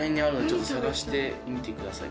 ちょっと探してみてください。